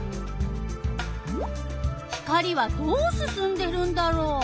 光はどうすすんでるんだろう？